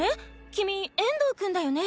君遠藤くんだよね？